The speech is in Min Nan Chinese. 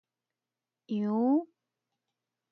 羊